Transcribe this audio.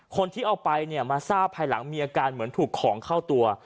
คนที่เอาไปเนี่ยมาทราบภายหลังมีอาการเหมือนถูกของเข้าตัว